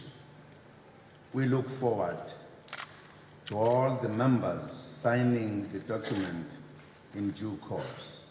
kami berharga untuk semua anggota yang menandatangani dokumen dalam perjalanan ke jukow